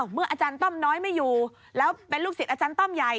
เมื่ออาจารย์ต้อมน้อยไม่อยู่แล้วเป็นลูกศิษย์อาจารย์ต้อมใหญ่